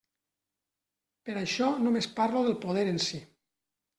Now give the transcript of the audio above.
Per això només parlo del poder en si.